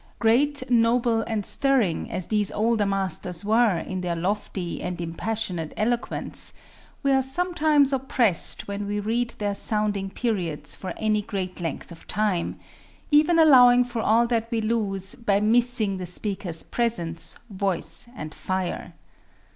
Great, noble and stirring as these older masters were in their lofty and impassioned eloquence, we are sometimes oppressed when we read their sounding periods for any great length of time even allowing for all that we lose by missing the speaker's presence, voice, and fire.